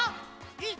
えっ。